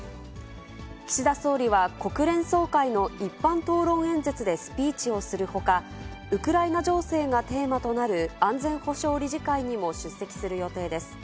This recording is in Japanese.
岸田総理は、国連総会の一般討論演説でスピーチをするほか、ウクライナ情勢がテーマとなる安全保障理事会にも出席する予定です。